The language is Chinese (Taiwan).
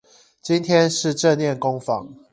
今天是正念工坊